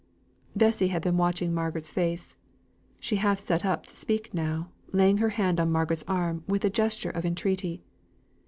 Bessy had been watching Margaret's face; she half sate up to speak now, laying her hand on Margaret's arm with a gesture of entreaty.